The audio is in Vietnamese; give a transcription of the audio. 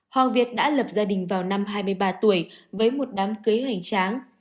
hoàng việt đã lập gia đình vào năm hai mươi ba tuổi với một đám cưới hoành tráng